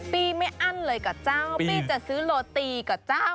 ปี้ไม่อั้นเลยกับเจ้าปี้จะซื้อโรตีกับเจ้า